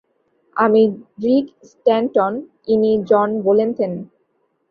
আমি Rick Stanton, ইনি John ভোল্যান্থেন।